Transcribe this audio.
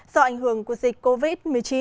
do ảnh hưởng của dịch covid một mươi chín